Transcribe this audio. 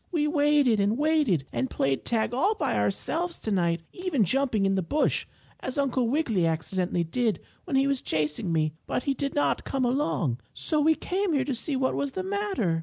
We waited and waited, and played tag all by ourselves tonight, even jumping in the bush, as Uncle Wiggily accidentally did when he was chasing me, but he did not come along. So we came here to see what is the matter."